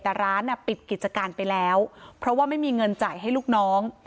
แต่ร้านปิดกิจการไปแล้วเพราะว่าไม่มีเงินจ่ายให้ลูกน้อง